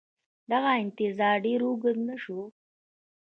دغه انتظار ډېر اوږد نه شو